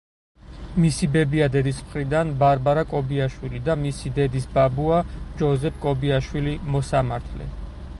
მისი ბებია დედის მხირდან, ბარბარა კობიაშვილი და მისი დედის ბაბუა ჯოზეფ კობიაშვილი, მოსამართლე.